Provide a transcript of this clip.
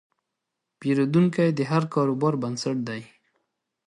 پیرودونکی د هر کاروبار بنسټ دی.